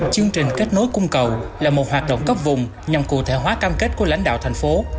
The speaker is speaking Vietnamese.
chương trình kết nối cung cầu là một hoạt động cấp vùng nhằm cụ thể hóa cam kết của lãnh đạo thành phố